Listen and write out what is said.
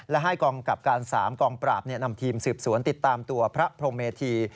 และให้กองกับการ๓กองปราบนำทีมสืบสวนติดตามตัวพระพรมเมธี